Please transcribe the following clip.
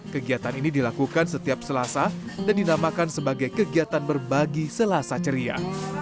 kegiatan ini dilakukan setiap selasa dan dinamakan sebagai kegiatan berbagi selasa ceria